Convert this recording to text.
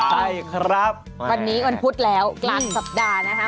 ใช่ครับวันนี้อ่อนปุ๊ตแล้วกลับสัปดาห์นะฮะ